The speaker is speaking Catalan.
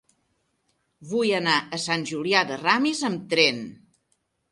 Vull anar a Sant Julià de Ramis amb tren.